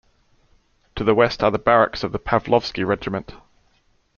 To the west are the Barracks of the Pavlovsky Regiment.